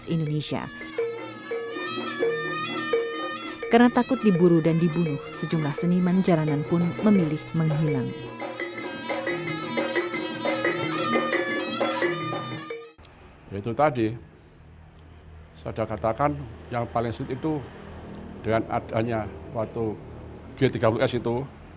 itu tadi saya sudah katakan yang paling sedikit itu dengan adanya waktu g tiga puluh s itu